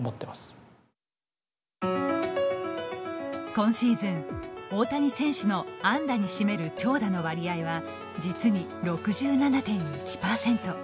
今シーズン大谷選手の安打に占める長打の割合は実に６７．１％。